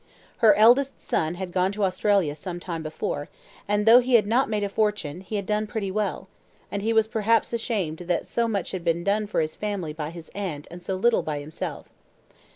Her eldest son had gone to Australia some time before, and though he had not made a fortune, he had done pretty well; and he was perhaps ashamed that so much had been done for his family by his aunt and so little by himself.